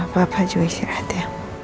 papa juga istirahat ya